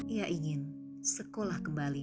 ia ingin sekolah kembali